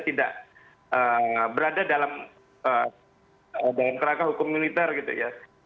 tidak berada dalam kerangka hukum militer gitu ya